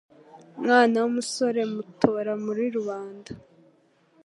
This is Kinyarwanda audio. umwana w’umusore mutora muri rubanda